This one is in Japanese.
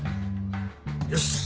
よし！